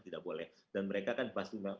tidak boleh dan mereka kan pasti